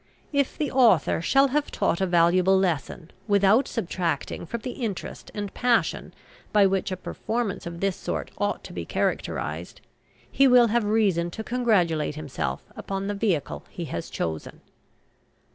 If the author shall have taught a valuable lesson, without subtracting from the interest and passion by which a performance of this sort ought to be characterised, he will have reason to congratulate himself upon the vehicle he has chosen.